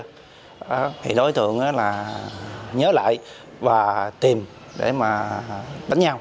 thì đối tượng là nhớ lại và tìm để mà đánh nhau